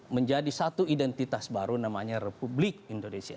menjadi satu identitas baru namanya republik indonesia